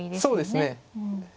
そうですね。